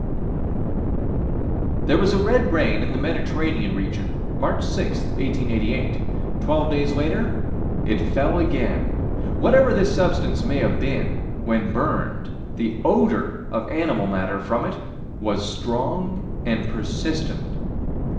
There was a red rain in the Mediterranean region, March 6, 1888. Twelve days later, it fell again. Whatever this substance may have been, when burned, the odor of animal matter from it was strong and persistent.